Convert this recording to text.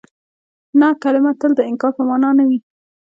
نه کلمه تل د انکار په مانا نه وي.